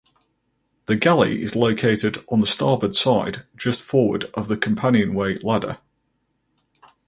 The galley is located on the starboard side just forward of the companionway ladder.